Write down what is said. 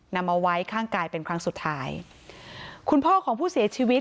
นำเอาไว้ข้างกายเป็นครั้งสุดท้ายคุณพ่อของผู้เสียชีวิต